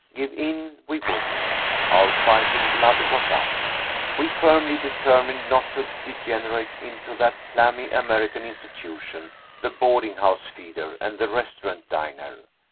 Give in, we wouldn't. Our fighting blood was up. We firmly determined not to degenerate into that clammy American institution, the boarding house feeder and the restaurant diner.